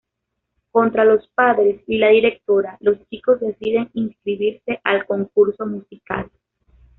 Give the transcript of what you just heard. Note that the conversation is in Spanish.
Contra los padres y la directora, los chicos deciden inscribirse al concurso musical.